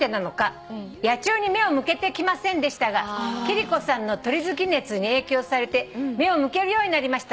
野鳥に目を向けてきませんでしたが貴理子さんの鳥好き熱に影響されて目を向けるようになりました」